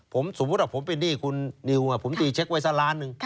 ผมสมมติแบบผมก็ไปหนี้คุณนิวมาผมตีเช็คไว้ส่อล้านหนึ่ง